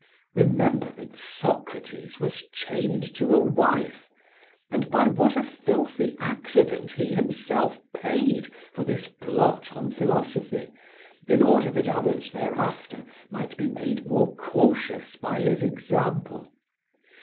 Remember that Socrates was chained to a wife, and by what a filthy accident he himself paid for this blot on philosophy, in order that others thereafter might be made more cautious by his example.